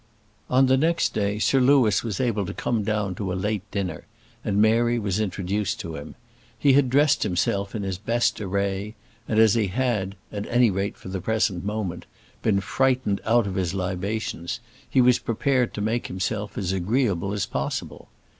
On the next day Sir Louis was able to come down to a late dinner, and Mary was introduced to him. He had dressed himself in his best array; and as he had at any rate for the present moment been frightened out of his libations, he was prepared to make himself as agreeable as possible.